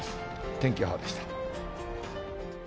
天気予報でした。